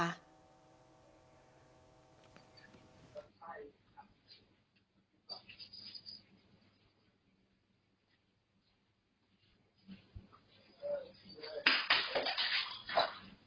นี่เป็นภาพ